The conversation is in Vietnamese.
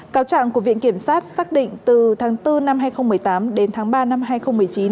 cáo trạng của viện kiểm sát xác định từ tháng bốn năm hai nghìn một mươi tám đến tháng ba năm hai nghìn một mươi chín